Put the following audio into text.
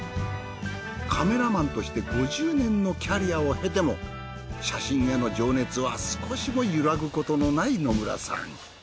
カメラマンとして５０年のキャリアを経ても写真への情熱は少しも揺らぐことのない野村さん。